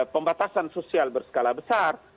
pembatasan sosial berskala besar